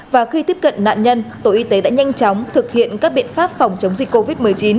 và khi tiếp cận nạn nhân tổ y tế đã nhanh chóng thực hiện các biện pháp phòng chống dịch covid một mươi chín